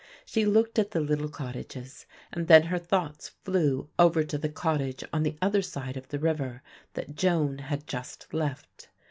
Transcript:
She looked at the little cottages and then her thoughts flew over to the cottage on the other side of the river that Joan had just left.